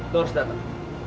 lo harus datang